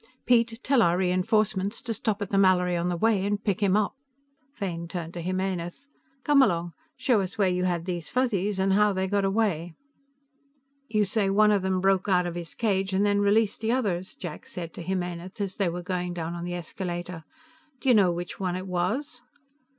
Piet, tell our re enforcements to stop at the Mallory on the way and pick him up." Fane turned to Jimenez. "Come along; show us where you had these Fuzzies and how they got away." "You say one of them broke out of his cage and then released the others," Jack said to Jimenez as they were going down on the escalator. "Do you know which one it was?"